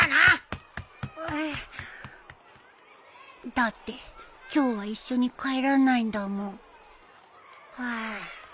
だって今日は一緒に帰らないんだもんハァ。